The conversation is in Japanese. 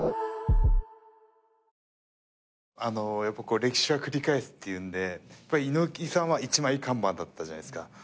やっぱ歴史は繰り返すっていうんで猪木さんは一枚看板だったじゃないですか。